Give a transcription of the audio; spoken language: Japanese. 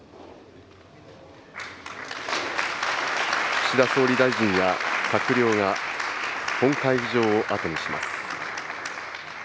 岸田総理大臣や閣僚が、本会議場を後にします。